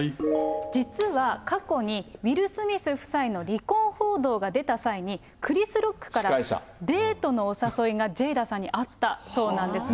実は過去にウィル・スミス夫妻の離婚報道が出た際に、クリス・ロックからデートのお誘いがジェイダさんにあったそうなんですね。